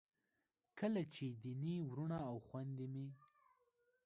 کله چې دیني وروڼه او خویندې مې